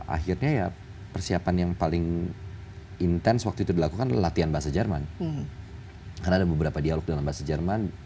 akhirnya ya persiapan yang paling intens waktu itu dilakukan adalah latihan bahasa jerman karena ada beberapa dialog dalam bahasa jerman